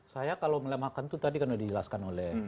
saya kalau melemahkan itu tadi karena dijelaskan oleh